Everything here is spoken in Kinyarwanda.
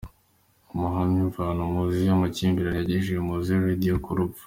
Ubuhamya: Imvano muzi y’amakimbirane yagejeje Mowzey Radio ku rupfu.